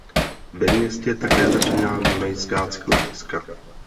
Ve městě také začíná Dunajská cyklostezka.